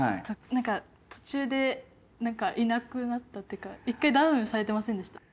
なんか途中でいなくなったっていうか１回ダウンされてませんでした？